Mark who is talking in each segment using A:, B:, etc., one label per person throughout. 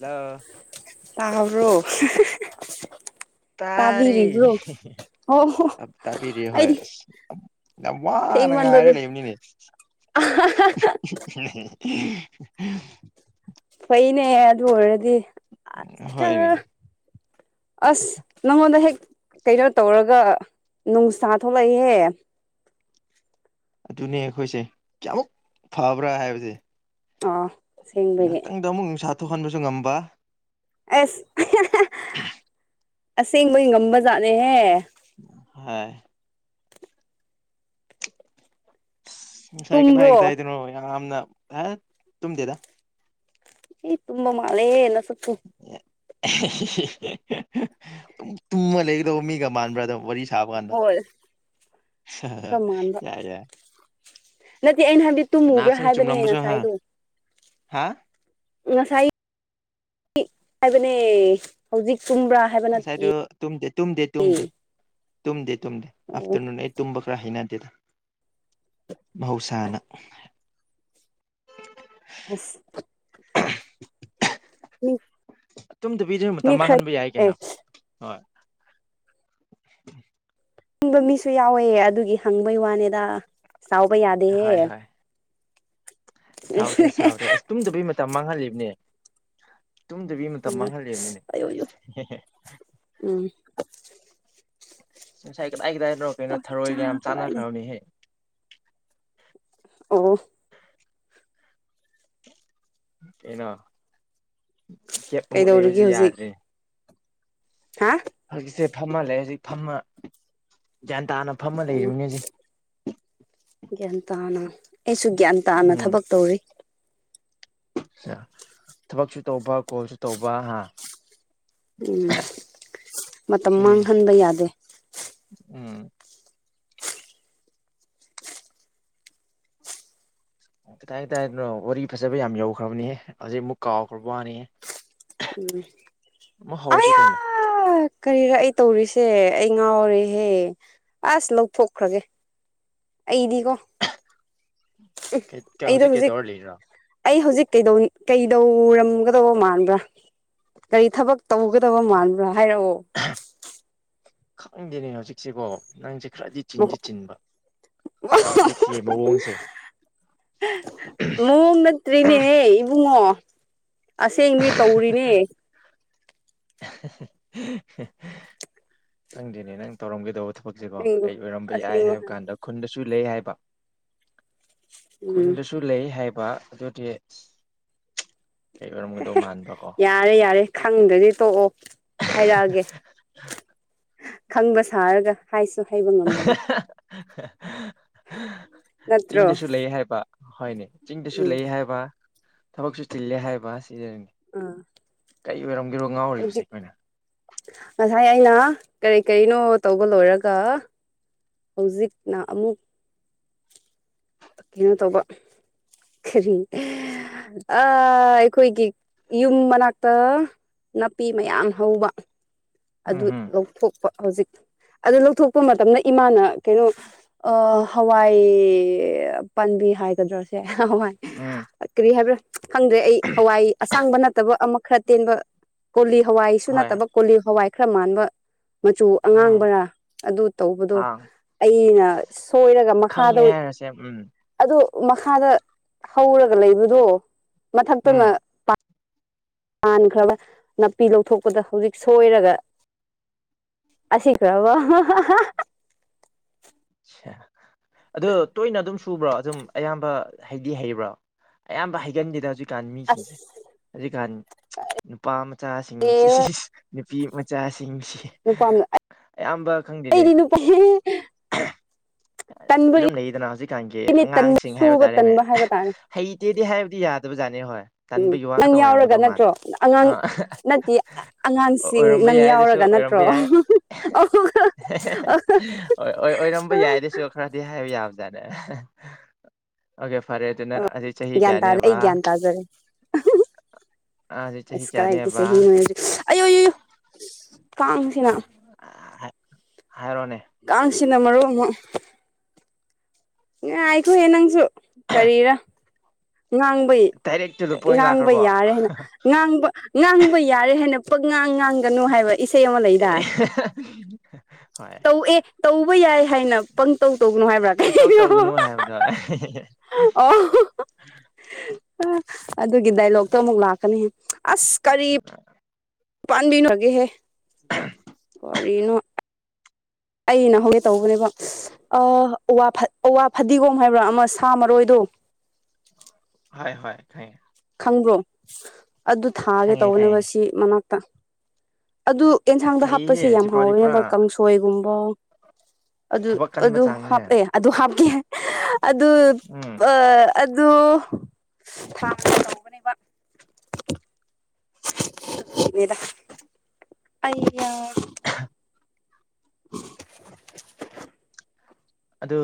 A: hello
B: ꯇꯥꯔꯕ꯭ꯔꯣ
A: ꯇꯥꯔꯦ
B: ꯑꯣ
A: ꯇꯥꯄꯤꯔꯤ ꯍꯣꯏ
B: ꯑꯩꯗꯤ
A: ꯑꯁ ꯌꯥꯝ ꯋꯥꯅ ꯉꯥꯏꯔ ꯂꯩꯕꯅꯤꯅꯦ
B: ꯑ ꯍ ꯍ
A: [unintelligible]
B: ꯐꯩꯅꯦ ꯑꯗꯨ ꯑꯣꯏꯔꯗꯤ
A: ꯍꯣꯏꯅꯦ
B: ꯑꯁ ꯅꯪꯉꯣꯟꯗ ꯍꯦꯛ ꯀꯩꯅꯣ ꯇꯧꯔꯒ ꯅꯨꯡꯁꯥ ꯊꯣꯛꯂꯛꯏꯍꯦ
A: ꯑꯗꯨꯅꯦ ꯑꯈꯣꯏꯁꯦ ꯀꯌꯥꯃꯨꯛ ꯐꯕ꯭ꯔꯥ ꯍꯥꯏꯕꯁꯦ
B: ꯑꯣ
A: ꯉꯇꯪꯗ ꯑꯃꯨꯛ ꯅꯨꯡꯁꯥ ꯊꯣꯛꯍꯟꯕꯁꯨ ꯉꯝꯕ
B: ꯑꯁ ꯑꯁꯦꯡꯕꯒꯤ ꯉꯝꯕꯖꯥꯠꯅꯦꯍꯦ
A: ꯍꯣꯏ ꯉꯁꯥꯏ ꯀꯗꯥꯏ
B: ꯇꯨꯝꯕ꯭ꯔꯣ
A: ꯀꯗꯥꯏꯗꯅꯣ ꯌꯥꯝꯅ ꯇꯨꯝꯗꯦꯗ
B: ꯑꯦ ꯇꯨꯝꯕ ꯃꯥꯂꯦ ꯅꯁꯛꯇꯣ
A: ꯗꯨꯝ ꯇꯨꯝꯃ ꯂꯩꯒꯗꯧꯕ ꯃꯤꯒ ꯃꯥꯟꯕ꯭ꯔꯥ ꯑꯗꯨꯝ ꯋꯥꯔꯤ ꯁꯥꯕ ꯀꯥꯟꯗ
B: ꯍꯣꯏ ꯈꯔ ꯃꯥꯟꯕ
A: ꯌꯥꯏ ꯌꯥꯏ
B: ꯅꯠꯇꯦ ꯑꯩꯅ ꯍꯥꯏꯕꯗꯤ
A: ꯀꯅꯥ
B: ꯇꯨꯝꯃꯨꯕ꯭ꯔꯥ ꯍꯥꯏꯕꯅꯦ ꯉꯁꯥꯏꯗꯣ
A: ꯍꯥꯥ
B: ꯉꯁꯥꯏ ꯍꯥꯏꯕꯅꯦ ꯍꯧꯖꯤꯛ ꯇꯨꯝꯕ꯭ꯔꯥ ꯍꯥꯏꯕ
A: ꯉꯁꯥꯏꯗꯣ
B: ꯅꯠꯇꯦ
A: ꯇꯨꯝꯗꯦ ꯇꯨꯝꯗꯦ ꯇꯨꯝꯗꯦ ꯇꯨꯝꯗꯦ ꯇꯨꯝꯗꯦ
B: ꯑꯣ
A: ꯑꯐꯇꯔꯅꯨꯟ ꯑꯩ ꯇꯨꯝꯕ ꯈꯥꯔ ꯍꯩꯅꯗꯦꯗ ꯃꯍꯧꯁꯥꯅ
B: ꯑꯁ
A: [unintelligible]
B: ꯎꯝ
A: ꯇꯨꯝꯗꯕꯤꯗ ꯃꯇꯝ ꯃꯥꯡꯍꯟꯕ ꯌꯥꯏ
B: ꯑꯦ
A: ꯀꯩꯅꯣ ꯍꯣꯏ [inaudible]
B: ꯇꯨꯝꯕ ꯃꯤꯁꯨ ꯌꯥꯎꯋꯦ ꯑꯗꯨꯒꯤ ꯍꯪꯕꯩ ꯋꯥꯅꯤꯗ ꯁꯥꯎꯕ
A: ꯍꯣꯏ
B: ꯌꯥꯗꯦꯍꯦ
A: ꯍꯣꯏ ꯁꯥꯎꯗꯦ ꯁꯥꯎꯗꯦ ꯑꯁ ꯇꯨꯝꯗꯕꯩ ꯃꯇꯝ ꯃꯥꯡꯍꯜꯂꯤꯕꯅꯦ ꯇꯨꯝꯗꯕꯤ ꯃꯇꯝ ꯃꯥꯡꯍꯜꯂꯩꯕꯅꯤꯅꯦ
B: ꯑꯌꯣꯌꯣ ꯎꯝ
A: ꯉꯁꯥꯏ ꯀꯗꯥꯏ ꯀꯗꯥꯏꯗꯅꯣ ꯀꯩꯅꯣ
B: ꯑꯣ ꯆꯥ
A: ꯊꯔꯣꯏꯒ ꯌꯥꯝ
B: ꯀꯗꯥꯏꯅꯦ
A: ꯆꯥꯟꯅꯈ꯭ꯔꯕꯅꯤꯍꯦ
B: ꯑꯣ
A: ꯀꯩꯅꯣ ꯒꯦꯞ ꯑꯃꯨꯛ
B: ꯀꯩꯗꯧꯔꯤꯒꯦ
A: ꯂꯩꯕꯁꯤ
B: ꯍꯧꯖꯤꯛ
A: ꯌꯥꯗ꯭ꯔꯦ
B: ꯍꯥ
A: ꯍꯧꯖꯤꯛꯁꯦ ꯐꯝꯃ ꯂꯩ ꯍꯧꯖꯤꯛ ꯐꯝꯃ ꯒ꯭ꯌꯥꯟ ꯇꯥꯅ ꯐꯝꯃ
B: ꯑꯣ
A: ꯂꯩꯔꯤꯕꯅꯤ ꯍꯧꯖꯤꯛ
B: ꯒ꯭ꯌꯥꯟ ꯇꯥꯅ ꯑꯩꯁꯨ ꯒ꯭ꯌꯥꯟ ꯇꯥꯅ
A: ꯎꯝ
B: ꯊꯕꯛ ꯇꯧꯔꯤ
A: ꯊꯕꯛꯁꯨ ꯇꯧꯕ ꯀꯣꯜꯁꯨ ꯇꯧꯕ ꯍꯥ
B: ꯎꯝ ꯃꯇꯝ
A: ꯁꯤꯅꯤꯅꯦ
B: ꯃꯥꯡꯍꯟꯕ ꯌꯥꯗꯦ
A: ꯎꯝ ꯀꯗꯥꯥꯏ ꯀꯗꯥꯏꯗꯅꯣ ꯋꯥꯔꯤ ꯐꯖꯕ ꯌꯥꯝ ꯌꯧꯈ꯭ꯔꯕꯅꯦ ꯍꯧꯖꯤꯛ ꯑꯃꯨꯛ ꯀꯥꯎꯈ꯭ꯔꯕ ꯋꯥꯅꯤ
B: ꯎꯝ ꯑꯌꯥ
A: ꯀꯩꯅꯣ
B: ꯀꯔꯤꯔ ꯑꯩ ꯇꯧꯔꯤꯁꯦ ꯑꯩ ꯉꯥꯎꯔꯦ ꯍꯦ ꯑꯁ ꯂꯧꯊꯣꯛꯈ꯭ꯔꯒꯦ ꯑꯩꯗꯤꯀꯣ ꯎꯝ
A: ꯀꯩ ꯀꯩ
B: ꯑꯩꯗꯣ ꯍꯧꯖꯤꯛ
A: ꯀꯩꯗꯧꯔ ꯂꯩꯔꯤꯔꯣ
B: ꯑꯩ ꯍꯧꯖꯤꯛ ꯀꯩꯗꯧꯔꯤ ꯀꯩꯗꯧꯔꯝꯒꯗꯧꯕ ꯃꯥꯟꯕ꯭ꯔꯥ ꯀꯔꯤ ꯊꯕꯛ ꯇꯧꯒꯗꯕ ꯃꯥꯟꯕ꯭ꯔꯥ ꯍꯥꯏꯔꯛꯑꯣ
A: ꯈꯪꯗꯦꯅꯦ ꯍꯧꯖꯤꯛꯁꯦꯀꯣ ꯅꯪꯁꯦ ꯈꯔꯗꯤ ꯆꯤꯟꯗꯤ ꯆꯤꯟꯕ ꯍꯧꯖꯤꯛꯁꯦ ꯃꯑꯣꯡꯁꯦ
B: ꯃꯑꯣꯡ ꯅꯠꯇ꯭ꯔꯤꯅꯦꯍꯦ ꯏꯕꯨꯡꯉꯣ ꯑꯁꯦꯡꯕꯤ ꯇꯧꯔꯤꯅꯦ
A: ꯈꯪꯗꯦꯅꯦ ꯅꯪ ꯇꯧꯔꯝꯒꯗꯧꯕ ꯊꯕꯛꯁꯤꯀꯣ
B: ꯑꯁꯦꯡꯕ
A: ꯀꯩ ꯑꯣꯏꯔꯝꯕ ꯌꯥꯏ
B: ꯑꯁꯦꯡꯕ
A: ꯍꯥꯏꯕ ꯀꯥꯟꯗ ꯈꯨꯟꯗꯁꯨ ꯂꯩ ꯍꯥꯏꯕ
B: ꯎꯝ
A: ꯈꯨꯟꯗꯁꯨ ꯂꯩ ꯍꯥꯏꯕ ꯑꯗꯨꯗꯤ ꯑꯣꯏꯔꯝꯒꯗꯧ ꯃꯥꯟꯕꯀꯣ
B: ꯌꯥꯔꯦ ꯌꯥꯔꯦ ꯈꯪꯗ꯭ꯔꯗꯤ ꯇꯣꯛꯑꯣ ꯍꯥꯏꯔꯛꯑꯒꯦ ꯈꯪꯕ ꯁꯥꯔꯒ ꯍꯥꯏꯁꯨ ꯍꯩꯕ ꯉꯝꯗꯕ ꯅꯠꯇ꯭ꯔꯣ
A: ꯆꯤꯡꯗꯁꯨ ꯂꯩ ꯍꯥꯏꯕ ꯍꯣꯏꯅꯦ ꯆꯤꯡꯗꯁꯨ
B: ꯎꯝ
A: ꯂꯩ ꯍꯥꯏꯕ ꯊꯕꯛꯁꯨ ꯆꯤꯜꯂꯦ ꯍꯥꯏꯕ ꯁꯤꯗꯅꯤ
B: ꯑꯥ
A: ꯀꯩ ꯑꯣꯏꯔꯝꯒꯦꯔꯣ ꯉꯥꯎꯔꯤꯕꯁꯦ
B: ꯍꯧꯖꯤꯛ
A: ꯑꯩꯈꯣꯏꯅ
B: ꯉꯁꯥꯏ ꯑꯩꯅ ꯀꯔꯤ ꯀꯔꯤꯅꯣ ꯇꯧꯕ ꯂꯣꯏꯔꯒ ꯍꯧꯖꯤꯛꯅ ꯑꯃꯨꯛ ꯀꯩꯅꯣ ꯇꯧꯕ ꯀꯔꯤ ꯑꯥ ꯑꯩꯈꯣꯏꯒꯤ ꯌꯨꯝ ꯃꯅꯥꯛꯇ ꯅꯥꯄꯤ ꯃꯌꯥꯝ ꯍꯧꯕ
A: ꯎꯝ
B: ꯑꯗꯨ
A: ꯍꯝ
B: ꯂꯧꯊꯣꯛꯄ ꯍꯧꯖꯤꯛ ꯑꯗꯨ ꯂꯧꯊꯣꯛꯄ ꯃꯇꯝꯗ ꯏꯃꯥꯅ ꯀꯩꯅꯣ ꯑꯣ ꯍꯋꯥꯏ ꯄꯥꯥꯟꯕꯤ ꯍꯥꯏꯒꯗ꯭ꯔ ꯁꯦ ꯍ
A: ꯎꯝ
B: ꯀꯔꯤ ꯍꯥꯏꯕ꯭ꯔꯥ ꯈꯪꯗ꯭ꯔꯦ ꯑꯩ ꯍꯋꯥꯏ ꯑꯁꯥꯡꯕ ꯅꯠꯇꯕ ꯑꯃ ꯈꯔ ꯑꯇꯦꯟꯕ ꯀꯣꯂꯤ ꯍꯋꯥꯏꯁꯨ
A: ꯍꯣꯏ
B: ꯅꯠꯇꯕ ꯀꯣꯂꯤ ꯍꯋꯥꯏ ꯈꯔ ꯃꯥꯟꯕ ꯃꯆꯨ
A: ꯎꯝ
B: ꯑꯉꯥꯡꯕꯔꯥ ꯑꯗꯨ ꯇꯧꯕꯗꯣ
A: ꯑꯥ
B: ꯑꯩꯅ ꯁꯣꯏꯔꯒ
A: ꯈꯪꯉꯦ
B: ꯃꯈꯥꯗ
A: ꯍꯥꯏꯔꯁꯦ ꯎꯝ
B: ꯑꯗꯨ ꯃꯈꯥꯗ ꯍꯧꯔꯒ ꯂꯩꯕꯗꯣ
A: ꯎꯝ
B: ꯃꯊꯛꯇꯅ ꯄꯥꯟꯈ꯭ꯔꯕ ꯅꯥꯄꯤ ꯂꯧꯊꯣꯛꯄꯗ ꯍꯧꯖꯤꯛ ꯁꯣꯏꯔꯒ ꯑꯁꯤ ꯀ꯭ꯔꯕꯣ ꯑꯥ ꯍꯥ ꯍꯥ
A: [unintelligible] ꯑꯗ ꯇꯣꯏꯅ ꯑꯗꯨꯝ ꯁꯨꯕ꯭ꯔꯣ ꯑꯗꯨꯝ ꯑꯌꯥꯝꯕ ꯍꯩꯗꯤ ꯍꯩꯕ꯭ꯔꯣ ꯑꯌꯥꯝꯕ ꯍꯩꯒꯟꯗꯦꯗ ꯍꯧꯖꯤꯛ ꯍꯧꯖꯤꯛꯀꯥꯟ ꯃꯤꯁꯤꯡꯁꯦ
B: ꯑꯁ
A: ꯍꯧꯖꯤꯛ ꯀꯥꯟ ꯅꯨꯄꯥ ꯃꯆꯥꯁꯤꯡꯁꯤ
B: ꯑꯦ
A: ꯅꯨꯄꯤ ꯃꯆꯥꯁꯤꯡꯁꯤ ꯑꯌꯥꯝꯕ ꯈꯪꯗꯦꯅꯦ
B: ꯀꯩꯗꯤ ꯅꯨꯄꯥꯅꯦ [inaudible]
A: ꯑꯗꯨꯨꯝ ꯂꯩꯗꯅ ꯍꯧꯖꯤꯛꯀꯥꯟꯒꯤ
B: ꯇꯟꯕ
A: ꯑꯉꯥꯡꯁꯤꯡ ꯍꯥꯏꯕ
B: ꯁꯨꯕ
A: ꯇꯥꯔꯦꯅꯦ
B: ꯇꯟꯕ ꯍꯥꯏꯕ ꯇꯥꯔꯦ
A: ꯍꯩꯇꯦꯗꯤ ꯍꯥꯏꯕꯗꯤ ꯌꯥꯗꯦ ꯑꯗꯨꯕꯨ ꯖꯅꯤꯦ ꯍꯣꯏ
B: ꯎꯝ
A: ꯇꯟꯕꯒꯤ ꯋꯥ
B: ꯅꯪ
A: ꯈꯛꯇꯪ
B: ꯌꯥꯎꯔꯒ
A: ꯑꯣꯏꯔꯝꯒꯗꯧ ꯃꯥꯜꯂꯦ
B: ꯅꯠꯇ꯭ꯔꯣ
A: ꯑ
B: ꯑꯉꯥꯡ ꯅꯠꯇꯦ ꯑꯉꯥꯡꯁꯤꯡ
A: ꯑꯣꯏꯔꯝꯕ
B: ꯅꯪ
A: ꯌꯥꯏ ꯑꯗꯨꯁꯨ
B: ꯌꯥꯎꯔꯒ ꯅꯠꯇ꯭ꯔꯣ
A: ꯑꯣꯏꯔꯝꯕ ꯌꯥꯏ
B: [unintelligible]
A: ꯑꯣꯏ ꯑꯣꯏ ꯑꯣꯏꯔꯝꯕ ꯌꯥꯏꯗꯁꯨ ꯈꯔꯗꯤ ꯍꯥꯏꯕ ꯌꯥꯕꯖꯥꯠꯅꯦ ꯑꯣꯀꯦ ꯐꯔꯦ ꯑꯗꯨꯅ
B: ꯑꯣ
A: ꯍꯧꯖꯤꯛ ꯆꯍꯤ
B: ꯒ꯭ꯌꯥꯟ ꯇꯥꯔꯦ
A: ꯀꯌꯥꯅꯦꯕ
B: ꯑꯩ ꯒ꯭ꯌꯥꯟ ꯇꯥꯖꯔꯦ
A: ꯑ ꯍꯧꯖꯤꯛ ꯆꯍꯤ
B: ꯏꯁ ꯀꯗꯥꯗꯒꯤ
A: ꯀꯌꯥꯅꯦꯕ
B: ꯁꯍꯤꯅꯣ ꯑꯌꯣ ꯌꯣ
A: [unintelligible] ꯍꯥꯏꯔꯣꯅꯦ
B: ꯑꯁꯤꯅ ꯃꯔꯣꯝ ꯑꯃ ꯉꯥꯏꯈꯣꯍꯦ ꯅꯪꯁꯨ ꯀꯔꯤꯔ ꯉꯥꯡꯕꯩ
A: ꯗꯥꯏꯔꯦꯛ ꯇꯨ ꯗ ꯄꯣꯏꯟ
B: ꯉꯥꯡꯕ
A: ꯂꯥꯛꯈ꯭ꯔꯕꯣ
B: ꯌꯥꯔꯦ ꯍꯥꯏꯅ ꯉꯥꯡꯕ ꯉꯥꯡꯕ ꯌꯥꯔꯦ ꯍꯥꯏꯅ ꯄꯛꯉꯥꯡ ꯉꯥꯡꯒꯅꯨ ꯍꯥꯏꯕ ꯏꯁꯩ ꯑꯃ
A: ꯑꯦ
B: ꯂꯩꯗꯥꯏ
A: [unintelligible]
B: ꯇꯧ ꯑꯦ ꯇꯧꯕ ꯌꯥꯏ ꯍꯥꯏꯅ ꯄꯪꯇꯧ ꯇꯧꯕꯒꯅꯨ ꯍꯥꯏꯕ꯭ꯔꯥ
A: ꯄꯪꯇꯧ
B: ꯀꯅꯣ
A: ꯇꯧꯒꯅꯨ ꯍꯥꯏꯕꯗꯣ
B: ꯑꯣ ꯑꯗꯨꯒꯤ ꯗꯥꯏꯂꯣꯛꯇꯣ ꯑꯃꯨꯛ ꯂꯥꯛꯀꯅꯤ ꯑꯁ ꯀꯔꯤ ꯄꯥꯟꯕꯤꯅꯣ ꯒꯦ ꯍꯦ
A: ꯎꯝ
B: ꯀꯔꯤꯅꯣ ꯑꯩꯅ ꯍꯧꯒꯦ ꯇꯧꯕꯅꯦꯕ ꯑꯥ ꯑꯋꯥ ꯐꯗꯤꯒꯣꯝ ꯍꯥꯏꯕ꯭ꯔꯥ ꯑꯃ ꯁꯥ ꯃꯔꯣꯏꯗꯣ
A: ꯍꯣꯏ ꯍꯣꯏ ꯈꯪꯉꯦ
B: ꯈꯪꯕ꯭ꯔꯣ ꯑꯗꯨ ꯊꯥꯒꯦ
A: ꯈꯪꯉꯦ
B: ꯇꯧꯋꯦꯕ
A: ꯈꯪꯉꯦ
B: ꯑꯁꯤ ꯃꯅꯥꯛꯇ ꯑꯗꯨ ꯑꯦꯟꯁꯥꯡꯗ
A: ꯐꯩꯍꯦ
B: ꯍꯥꯞꯄꯁꯦ ꯌꯥꯝ
A: ꯁꯤꯐꯥꯎꯗꯤ ꯄꯨꯔꯥ
B: ꯍꯥꯎꯋꯦꯕ ꯀꯥꯡꯁꯣꯏꯒꯨꯝꯕ ꯑꯗꯨ
A: ꯊꯕꯛ ꯀꯟꯕ
B: ꯑꯗꯨ
A: ꯆꯥꯡꯁꯦ
B: ꯍꯥꯞꯑꯦ ꯑꯗꯨ ꯍꯥꯞꯀꯦ ꯑꯗꯨ
A: ꯎꯝ
B: ꯑꯥ ꯑꯗꯣ ꯊꯥꯡꯒꯦ ꯇꯧꯕꯅꯦꯕ ꯈꯪꯗꯦꯗ ꯑꯩꯌꯥ [inaudible]
A: ꯑꯗꯨ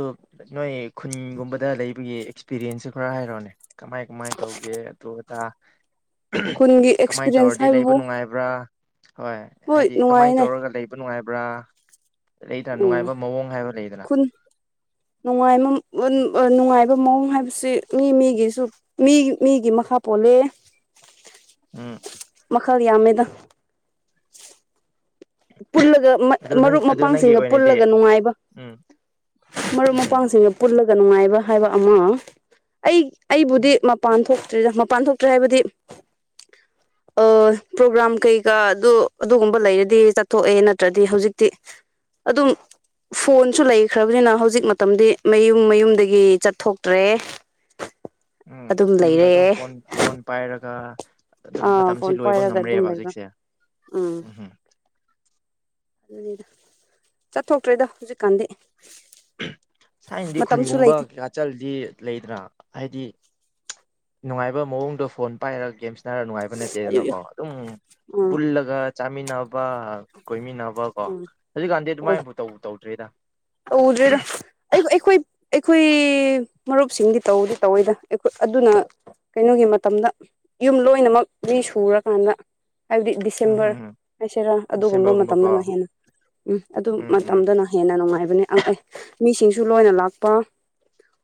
A: ꯅꯣꯏ ꯈꯨꯟꯒꯨꯝꯕꯗ ꯂꯩꯕꯒꯤ ꯑꯦꯛꯁꯄꯤꯔꯤꯟꯁꯁꯨ ꯈꯔ ꯍꯥꯏꯔꯛꯑꯣꯅꯦ ꯀꯃꯥꯏ ꯀꯃꯥꯏꯅ ꯇꯧꯒꯦ ꯑꯗꯨ ꯑꯗꯥ
B: ꯈꯨꯟꯒꯤ
A: ꯀꯃꯥꯏꯅ
B: ꯑꯦꯛꯁꯄꯤꯔꯤꯌꯦꯟꯁ
A: ꯇꯧꯔꯗꯤ ꯂꯩꯕ
B: ꯍꯥꯏꯕꯕꯨ
A: ꯅꯨꯡꯉꯥꯏꯕ꯭ꯔꯥ ꯍꯣꯏ
B: ꯍꯣꯏ
A: ꯍꯥꯏꯗꯤ ꯀꯃꯥꯏꯅ
B: ꯅꯨꯡꯉꯥꯏꯅꯦ
A: ꯇꯧꯔꯒ ꯂꯩꯕ ꯅꯨꯡꯉꯥꯏꯕ꯭ꯔꯥ ꯂꯩꯗꯅ ꯅꯨꯡꯉꯥꯏꯕ ꯃꯑꯣꯡ ꯍꯥꯏꯕ ꯂꯩꯗꯅ
B: [inaudible] ꯅꯨꯡꯉ ꯅꯨꯡꯉꯥꯏꯕ ꯃꯑꯣꯡ ꯍꯥꯏꯕꯁꯤ ꯃꯤ ꯃꯤꯒꯤꯁꯨ ꯃꯤ ꯃꯤꯒꯤ ꯃꯥꯈ ꯄꯣꯜꯂꯦ [inaudible]
A: ꯎꯝ
B: ꯃꯈꯜ ꯌꯥꯝꯃꯦꯗ ꯄꯨꯜꯂꯒ
A: ꯑꯗꯨ ꯅꯪ
B: ꯃꯔꯨꯞ
A: ꯑꯗꯨ ꯅꯪꯒꯤ
B: ꯃꯄꯥꯡꯁꯤꯡꯒ
A: ꯑꯣꯏꯅꯗꯤ
B: ꯄꯨꯜꯂꯒ ꯅꯨꯡꯉꯥꯏꯕ
A: ꯎꯝ
B: ꯃꯔꯨꯞ
A: ꯎꯝ
B: ꯃꯄꯥꯡꯁꯤꯡꯒ ꯄꯨꯜꯂꯒ ꯅꯨꯡꯉꯥꯏꯕ ꯍꯥꯏꯕ ꯑꯃ ꯑꯩ ꯑꯩꯕꯨꯗꯤ ꯃꯄꯥꯟ ꯊꯣꯛ ꯇ꯭ꯔꯦꯗ ꯃꯄꯥꯟ ꯊꯣꯛꯇ꯭ꯔꯦ ꯍꯥꯏꯕꯗꯤ ꯑꯥ ꯄ꯭ꯔꯣꯒ꯭ꯔꯥꯝ ꯀꯩꯀꯥ ꯑꯗꯨ ꯑꯗꯨꯒꯨꯝꯕ ꯂꯩꯔꯗꯤꯆꯠ ꯊꯣꯛꯑꯦ ꯅꯠꯇ꯭ꯔꯗꯤ ꯍꯧꯖꯤꯛꯇꯤ ꯑꯗꯨꯝ ꯐꯣꯟꯁꯨ ꯂꯩꯈ꯭ꯔꯕꯅꯤꯅ ꯍꯧꯖꯤꯛ ꯃꯇꯝꯗꯤ ꯃꯌꯨꯝ ꯃꯌꯨꯝꯗꯒꯤ ꯆꯠꯊꯣꯛꯇ꯭ꯔꯦ [inaudible]
A: ꯎꯝ
B: ꯑꯗꯨꯝ
A: ꯌꯨꯝꯗ ꯑꯗꯨꯝ
B: ꯂꯩꯔꯦ
A: ꯐꯣꯟ ꯐꯣꯟ ꯄꯥꯏꯔꯒ ꯑꯗꯨꯝ
B: ꯑꯥ
A: ꯃꯇꯝꯁꯦ
B: ꯐꯣꯟ
A: ꯂꯣꯏꯕ
B: ꯄꯥꯏꯔꯒ ꯑꯗꯨꯝ
A: ꯉꯝꯔꯦꯕ
B: ꯂꯩꯕ
A: ꯍꯧꯖꯤꯛꯁꯦ
B: ꯎꯝ
A: ꯎꯝꯍꯝ
B: ꯑꯗꯨꯅꯤꯗ ꯆꯠꯊꯣꯛꯇ꯭ꯔꯦꯗ ꯍꯧꯖꯤꯛꯀꯥꯟꯗꯤ
A: ꯊꯥꯏꯅꯗꯤ
B: ꯃꯇꯝꯁꯨ
A: ꯈꯨꯟꯒꯨꯝꯕ
B: ꯂꯩꯇꯦ
A: ꯀꯩꯀꯥ ꯆꯜꯗꯤ ꯂꯩꯗꯅ ꯍꯥꯏꯗꯤ ꯅꯨꯡꯉꯥꯏꯕ ꯃꯑꯣꯡꯗꯣ ꯐꯣꯟ ꯄꯥꯏꯔꯒ ꯒꯦꯝꯁ ꯔ ꯅꯨꯡꯉꯥꯏꯕ
B: ꯑꯌꯨ
A: ꯅꯠꯇꯦꯗꯅꯀꯣ ꯑꯗꯨꯝ
B: ꯎꯝ
A: ꯄꯨꯜꯂꯒ ꯆꯥꯃꯤꯟꯅꯕ ꯀꯣꯏꯃꯤꯟꯅꯕ ꯀꯣ
B: ꯎꯝ
A: ꯍꯧꯖꯤꯛꯀꯥꯟꯗꯤ
B: ꯍꯣꯏ
A: ꯑꯗꯨꯃꯥꯏꯅꯐꯥꯎ ꯇꯧ ꯇꯧꯗ꯭ꯔꯦꯗ
B: ꯇꯧꯗ꯭ꯔꯦꯗ ꯑꯩ ꯑꯩꯈꯣꯏ ꯑꯈꯣꯏ ꯃꯔꯨꯞꯁꯤꯡꯗꯤ ꯇꯧꯗꯤ ꯇꯧꯋꯦꯗ ꯑꯗꯨꯅ ꯀꯩꯅꯣꯒꯤ ꯃꯇꯝꯗ ꯌꯨꯝ ꯂꯣꯏꯅꯃꯛ ꯃꯤ ꯁꯨꯔꯀꯥꯟꯗ ꯍꯥꯏꯕꯗꯤ
A: ꯎꯝ
B: ꯗꯤꯁꯦꯝꯕꯔ
A: ꯎꯝ ꯎꯝ
B: ꯍꯥꯏꯁꯤꯔ ꯑꯗꯨꯒꯨꯝꯕ
A: ꯗꯤꯁꯦꯝꯕꯔꯒꯨꯝꯕꯀꯣ
B: ꯃꯇꯝꯗꯅ ꯍꯦꯟꯅ ꯎꯝ ꯑꯗꯨ
A: ꯎꯝ ꯎꯝ
B: ꯃꯇꯝꯗꯅ ꯍꯦꯟꯅ ꯅꯨꯡꯉꯥꯏ ꯑꯦ ꯃꯤꯁꯤꯡꯁꯨ ꯂꯣꯏꯅ ꯂꯥꯛꯄ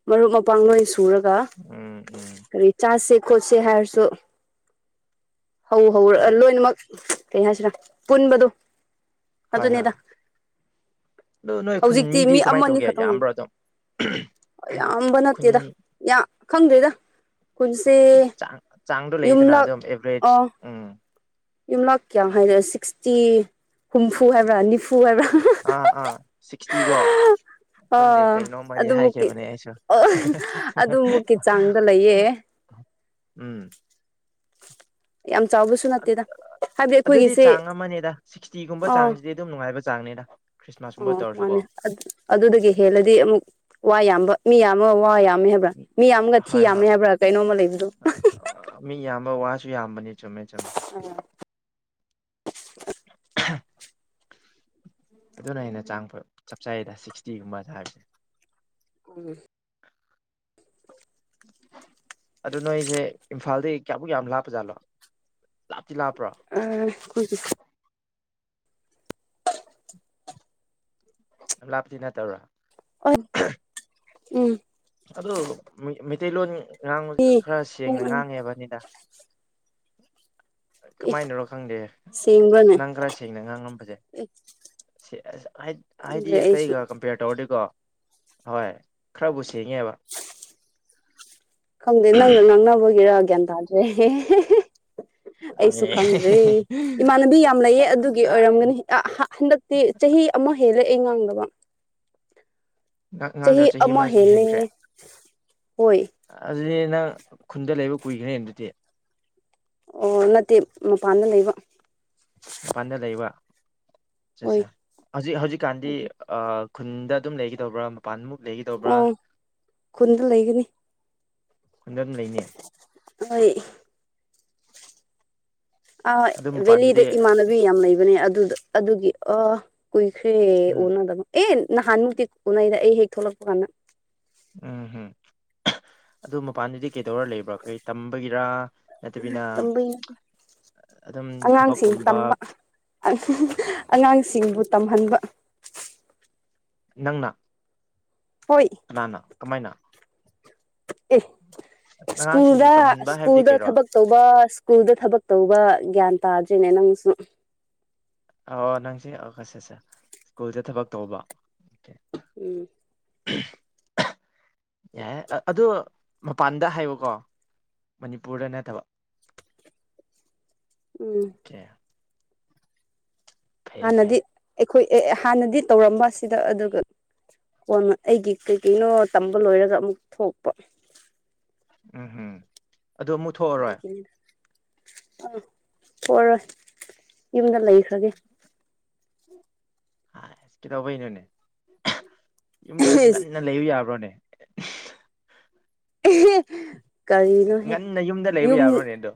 B: ꯃꯔꯨꯞ ꯃꯄꯥꯡ ꯂꯣꯏꯁꯨ ꯄꯨꯔꯒ
A: ꯎꯝ ꯎꯝ
B: ꯀꯔꯤ ꯆꯥꯁꯦ ꯈꯣꯠꯁꯦ ꯍꯥꯏꯔꯁꯨ ꯍꯧ ꯍꯧ
A: ꯍꯣꯏ
B: ꯂꯣꯏꯅꯃꯛ ꯀꯩ ꯍꯥꯏꯁꯤꯔ ꯄꯨꯟꯕꯗꯨ
A: ꯍꯣꯏ ꯍꯣꯏ
B: ꯑꯗꯨꯅꯦꯗ
A: ꯑꯗꯣ ꯅꯣꯏ ꯈꯨꯟ
B: ꯍꯧꯖꯤꯛꯇꯤ
A: ꯃꯤꯗꯤ
B: ꯃꯤ
A: ꯀꯃꯥꯏꯅ
B: ꯑꯃꯅꯤ ꯑꯅꯤ
A: ꯇꯧꯒꯦ
B: ꯈꯇꯪ
A: ꯌꯥꯝꯕ꯭ꯔꯣ ꯑꯗꯨꯝ
B: ꯌꯥꯝꯕ
A: ꯈꯨꯟ
B: ꯅꯠꯇꯦꯗ ꯌꯥꯝ ꯈꯪꯗ꯭ꯦꯗ
A: ꯆꯥꯡ ꯆꯥꯡꯗꯣ ꯂꯩꯗꯅ
B: ꯌꯨꯝꯂꯛ
A: ꯑꯗꯨꯝ
B: ꯑ
A: ꯑꯦꯚꯔꯦꯖ ꯎꯝ
B: ꯌꯨꯝꯂꯛ ꯀꯌꯥꯝ ꯍꯥꯏꯅ ꯁꯤꯛꯁꯇꯤ ꯍꯨꯝꯐꯨ ꯍꯥꯏꯕ꯭ꯔꯥ ꯅꯤꯐꯨ ꯍꯥꯏꯕ꯭ꯔꯥ
A: ꯑꯥ ꯑꯥ ꯁꯤꯛꯁꯇꯤꯒꯣ ꯈꯪꯗꯦ
B: ꯑꯥ
A: ꯀꯩꯅꯣꯝꯃꯗꯤ
B: ꯑꯗꯨꯃꯨꯛꯀꯤ
A: ꯍꯥꯏꯈꯤꯕꯅꯦ ꯑꯩꯁꯨ
B: ꯑꯣ ꯑꯗꯨꯃꯨꯛꯀꯤ ꯆꯥꯡꯗ ꯂꯩꯌꯦ [inaudible]
A: ꯎꯝ
B: ꯌꯥꯝ ꯆꯥꯎꯕꯁꯨ ꯅꯠꯇꯦꯗ ꯍꯥꯏꯕꯗꯤ
A: ꯑꯗꯨꯗꯤ
B: ꯑꯩꯈꯣꯏꯒꯤꯁꯦ
A: ꯆꯥꯡ ꯑꯃꯅꯦꯗ ꯁꯤꯛꯁꯇꯤꯒꯨꯝꯕ
B: ꯑꯥ
A: ꯆꯥꯡꯁꯤꯗꯤ ꯑꯗꯨꯝ ꯅꯨꯡꯉꯥꯏꯕ ꯆꯥꯡꯅꯦꯗ
B: ꯑꯣ ꯃꯥꯅꯦ ꯑꯗꯨꯗꯒꯤ ꯍꯦꯜꯂꯗꯤ ꯑꯃꯨꯛ ꯋꯥ ꯌꯥꯝꯕ ꯃꯤ ꯌꯥꯝ ꯋꯥ ꯌꯥꯝꯃꯦ ꯍꯥꯏꯕ꯭ꯔꯥ ꯃꯤ ꯌꯥꯝꯒ ꯊꯤ
A: ꯍꯣꯏ
B: ꯌꯥꯝꯃꯦ
A: ꯍꯣꯏ
B: ꯍꯥꯏꯕ꯭ꯔꯥ ꯀꯩꯅꯣꯝꯃ ꯂꯩꯕꯗꯨ
A: ꯊꯤ ꯌꯥꯝꯕꯅꯤ ꯆꯨꯝꯃꯦ ꯆꯨꯝꯃꯦ ꯑꯗꯨꯅ ꯍꯦꯟꯅ ꯆꯥꯡ ꯆꯞ ꯆꯩꯌꯦꯗ ꯁꯤꯛꯁꯇꯤꯒꯨꯝꯕ ꯆ ꯍꯥꯏꯕꯁꯦ
B: ꯎꯝ
A: ꯑꯗꯨ ꯅꯣꯏꯁꯦ ꯏꯝꯐꯥꯜꯗꯒꯤ ꯀꯌꯥꯃꯨꯛ ꯌꯥꯝ ꯂꯥꯞꯄ ꯖꯥꯠꯂꯣ
B: ꯑꯥ ꯈꯣꯢꯗꯤ [inaudible]
A: ꯂꯞꯄꯇꯤ ꯅꯇꯕ꯭ꯔ
B: ꯎꯝ
A: ꯑꯗꯨ ꯃꯩꯇꯩꯂꯣꯟ
B: ꯃꯤ
A: ꯉꯥꯡꯕꯗꯨꯗ ꯈꯔ
B: ꯄꯨꯡ
A: ꯁꯦꯡꯅ
B: ꯑꯅꯤ
A: ꯉꯥꯡꯉꯦꯕꯅꯤꯗ ꯀꯃꯥꯏꯅꯔꯣ ꯈꯪꯗꯦ
B: ꯁꯦꯡꯕ꯭ꯔꯅꯦ
A: ꯅꯪ ꯈꯔ ꯁꯦꯡꯅ ꯉꯥꯡꯉꯝꯕꯁꯦ
B: ꯑꯦ
A: ꯁꯤ ꯑꯁ ꯍꯥꯏꯗꯤ
B: ꯈꯪꯗ꯭ꯔꯦ ꯑꯩꯁꯨ
A: ꯑꯇꯩꯒ ꯀꯝꯄꯤꯌꯔ ꯇꯧꯔꯗꯤꯀꯣ ꯍꯣꯏ ꯈꯔꯕꯨ ꯁꯦꯡꯉꯦꯕ
B: ꯈꯪꯗꯦ ꯅꯪꯒ ꯉꯥꯡꯅꯕꯒꯤꯔ ꯒ꯭ꯌꯥꯟ ꯇꯥꯗ꯭ꯔꯦ ꯑꯩꯁꯨ
A: ꯑꯦ
B: ꯈꯪꯗ꯭ꯔꯦ ꯏꯃꯥꯟꯅꯕꯤ ꯌꯥꯝ ꯂꯩꯌꯦ ꯑꯗꯨꯒꯤ ꯑꯣꯏꯔꯝꯒꯅꯤ ꯍꯟꯗꯛꯇꯤ ꯆꯍꯤ ꯑꯃ ꯍꯦꯜꯂꯦ ꯑꯩ ꯉꯥꯡꯗꯕ
A: ꯑꯉꯥꯡꯗꯣ
B: ꯆꯍꯤ ꯑꯃ
A: ꯑꯃꯁ
B: ꯍꯦꯟꯂꯦ
A: ꯍꯦꯟꯈ꯭ꯔꯦ ꯑꯗꯨꯗꯤ ꯅꯪ ꯈꯨꯟꯗ ꯂꯩꯕ ꯀꯨꯏꯈ꯭ꯔꯦ ꯑꯗꯨꯗꯤ
B: ꯑꯣ ꯅꯠꯇꯦ ꯃꯄꯥꯟꯗ ꯂꯩꯕ
A: ꯃꯄꯥꯟꯗ ꯂꯩꯕ
B: ꯍꯣꯏ
A: ꯑꯆꯥꯁꯥ ꯍꯧꯖꯤꯛ ꯍꯧꯖꯤꯛꯀꯥꯟꯗꯤ ꯈꯨꯟꯗ ꯑꯗꯨꯝ ꯂꯩꯒꯗꯧꯕ꯭ꯔꯥ ꯃꯄꯥꯟꯃꯨꯛ ꯂꯩꯒꯗꯧꯕ꯭ꯔꯥ
B: ꯑꯣ ꯈꯨꯟꯗ ꯂꯩꯒꯅꯤ
A: ꯈꯨꯟꯗ ꯑꯗꯨꯝ ꯂꯩꯅꯤ
B: ꯍꯣꯏ ꯑꯥ
A: ꯑꯗꯨ
B: ꯚꯦꯂꯤꯗ
A: ꯃꯄꯥꯟꯗꯨꯗꯤ
B: ꯏꯃꯥꯟꯅꯕꯤ ꯌꯥꯝ ꯂꯩꯕꯅꯦ ꯑꯗꯨꯗ ꯑꯗꯨꯒꯤ ꯑꯥ ꯀꯨꯏ ꯈꯔꯦ
A: ꯎꯝ
B: ꯎꯅꯗꯕ ꯑꯦ ꯅꯍꯥꯟꯃꯨꯛꯇꯤ ꯎꯅꯩꯗ ꯑꯩ ꯍꯦꯛ ꯊꯣꯛꯂꯛꯄꯀꯥꯟꯗ
A: ꯎꯝ ꯍꯨꯝ ꯑꯗꯨ ꯃꯄꯥꯟꯗꯗꯤ ꯀꯩꯗꯧꯔ ꯂꯩꯕ꯭ꯔꯥ ꯀꯔꯤ ꯇꯝꯕꯒꯤꯔ ꯅꯠꯇꯕꯤꯅ
B: ꯇꯝꯕꯩ
A: ꯑꯗꯨꯝ
B: ꯑꯉꯥꯡꯁꯤꯡ
A: ꯊꯕꯛꯀꯨꯝꯕ
B: ꯇꯝꯕ ꯑꯉꯥꯡꯁꯤꯡꯕꯨ ꯇꯝꯍꯟꯕ
A: ꯅꯪꯅ
B: ꯍꯣꯏ
A: ꯀꯅꯥꯅꯥ ꯀꯃꯥꯏꯅ
B: ꯑꯦ
A: ꯑꯉꯥꯡꯁꯤꯡꯕꯨ
B: ꯁ꯭ꯀꯨꯜꯗ
A: ꯇꯝꯍꯟꯕ ꯍꯥꯏꯕꯗꯤ
B: ꯁ꯭ꯀꯨꯜꯗ
A: ꯀꯩꯔꯣ
B: ꯊꯕꯛ ꯇꯧꯕ ꯁ꯭ꯀꯨꯜꯗ ꯊꯕꯛ ꯇꯧꯕ ꯒ꯭ꯌꯥꯟ ꯇꯥꯗ꯭ꯔꯤꯅꯦ ꯅꯪꯁꯨ
A: ꯑꯣ ꯅꯪꯁꯦ ꯑꯁꯥꯁꯥ ꯁ꯭ꯀꯨꯜꯗ ꯊꯕꯛ ꯇꯧꯕ ꯑꯣꯈꯦ
B: ꯎꯝ
A: ꯌꯥꯢꯌꯦ ꯑꯗꯨ ꯃꯄꯥꯟꯗ ꯍꯥꯏꯌꯣꯀꯣ ꯃꯅꯤꯄꯨꯔꯗ ꯅꯠꯇꯕ
B: ꯎꯝ
A: ꯀꯦ ꯐꯩ
B: ꯍꯥꯟꯅꯗꯤ ꯑꯩꯈꯣꯏ ꯑꯦ ꯍꯥꯟꯅꯗꯤ ꯇꯧꯔꯝꯕ ꯑꯁꯤꯗ ꯑꯗꯨ ꯀꯣꯟ ꯑꯩꯒꯤ ꯀꯩ ꯀꯩꯅꯣ ꯇꯝꯕ ꯂꯣꯏꯔꯒ ꯑꯃꯨꯛ ꯊꯣꯛꯄ
A: ꯎꯝ ꯍꯨꯝ ꯑꯗꯨ ꯃꯨꯛ ꯃꯨꯊꯣꯛꯑꯔꯣꯏ
B: ꯑꯗꯨꯒꯤꯅꯤꯗ ꯊꯣꯛꯑꯔꯣꯏ ꯌꯨꯝꯗ ꯂꯩꯈ꯭ꯔꯒꯦ
A: ꯍꯥꯏ ꯑꯁ ꯀꯩꯗꯧꯕꯩꯅꯣꯅꯦ ꯌꯨꯝꯗ ꯉꯟꯅ ꯂꯩꯌꯨ ꯌꯥꯕ꯭ꯔꯣꯅꯦ [unintelligible]
B: [unintelligible]
A: ꯉꯟꯅ ꯌꯨꯝꯗ ꯂꯩꯕ
B: ꯌꯨꯝ
A: ꯌꯥꯕ꯭ꯔꯣꯅꯦꯗꯣ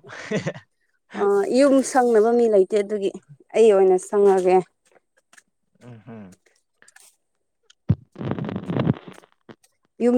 B: ꯑꯥ ꯌꯨꯝ ꯁꯪꯅꯕ ꯃꯤ ꯂꯩꯇꯦ ꯑꯗꯨꯒꯤ ꯑꯩ ꯑꯣꯏꯅ ꯁꯪꯉꯒꯦ
A: ꯎꯝ ꯍꯝ
B: ꯌꯨꯝ